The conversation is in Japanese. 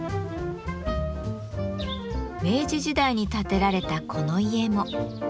明治時代に建てられたこの家も。